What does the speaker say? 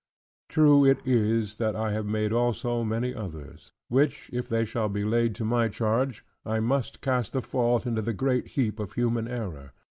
True it is, that I have made also many others: which if they shall be laid to my charge, I must cast the fault into the great heap of human error.